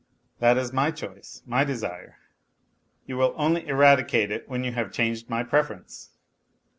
That is my choice, my desire. You will only eradicate it when you have changed my preference